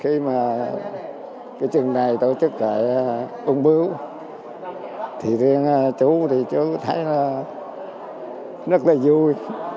khi mà cái chương này tổ chức tại công bướu thì chú thấy rất là vui